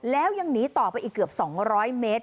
แล้วยังหนีต่อไปอีกเกือบ๒๐๐เมตร